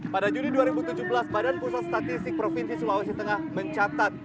pada juni dua ribu tujuh belas badan pusat statistik provinsi sulawesi tengah mencatat